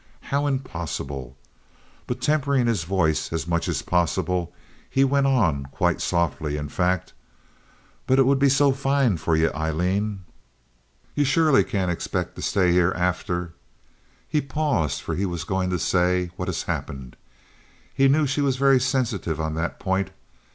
How impossible! But tempering his voice as much as possible, he went on, quite softly, in fact. "But it would be so fine for ye, Aileen. Ye surely can't expect to stay here after—" He paused, for he was going to say "what has happened." He knew she was very sensitive on that point.